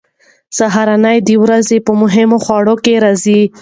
سهارنۍ د ورځې په مهمو خوړو کې راځي.